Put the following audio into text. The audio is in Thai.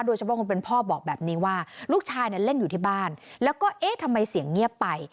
คนเป็นพ่อบอกแบบนี้ว่าลูกชายเนี่ยเล่นอยู่ที่บ้านแล้วก็เอ๊ะทำไมเสียงเงียบไป